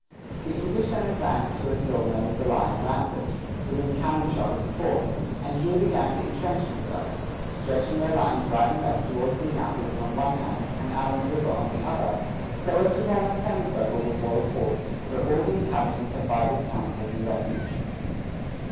The English then advanced to a hill known as the Lion Rampant, within cannon shot of the fort, and here began to intrench themselves, stretching their lines right and left towards the Annapolis on the one hand, and Allen's River on the other, so as to form a semicircle before the fort, where all the inhabitants had by this time taken refuge.